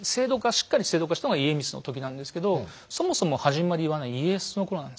しっかり制度化したのが家光の時なんですけどそもそも始まりはね家康の頃なんですね。